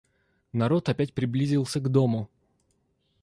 Народ опять приблизился к дому.